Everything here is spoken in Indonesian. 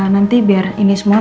nanti biar ini semua